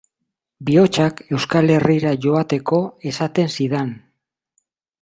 Bihotzak Euskal Herrira joateko esaten zidan.